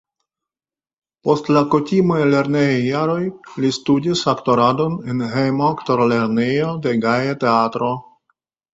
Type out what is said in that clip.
Post la kutimaj lernejaj jaroj li studis aktoradon en hejma aktorlernejo de Gaja Teatro.